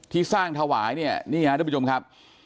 ที่สร้างถวายเนี่ยนี่ฮะทุกผู้ชมครับ